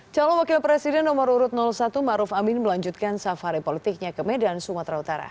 calon wakil presiden nomor urut satu maruf amin melanjutkan safari politiknya ke medan sumatera utara